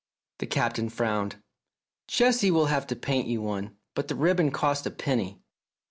The Captain frowned. "Jessie will have to paint you one, but the ribbon costs a penny."